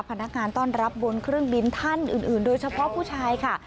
พนักงานต้อนรับบนเครื่องบินท่านอื่นโดยเฉพาะผู้ชายค่ะ